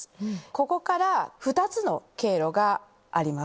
ここから２つの経路があります。